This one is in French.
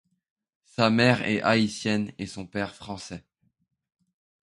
Sa mère est haïtienne et son père français.